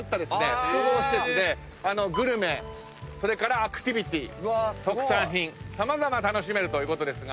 複合施設でグルメそれからアクティビティ特産品様々楽しめるということですが。